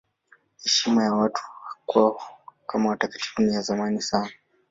Heshima ya watu kwao kama watakatifu ni ya zamani sana.